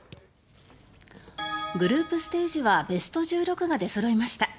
グループステージはベスト１６が出そろいました。